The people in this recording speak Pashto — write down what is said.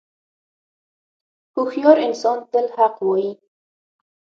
• هوښیار انسان تل حق وایی.